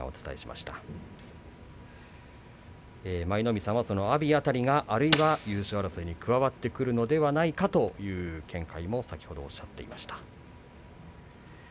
舞の海さんはその阿炎辺りが優勝争いに加わってくるのではないかという見解をおっしゃっていました。